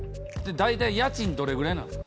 大体家賃どれぐらいなんですか？